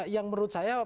yang menurut saya